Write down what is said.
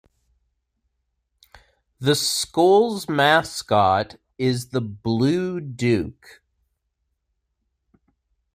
The school's mascot is the "Blue Duke".